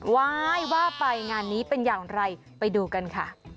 วายว่าไปงานนี้เป็นอย่างไรไปดูกันค่ะ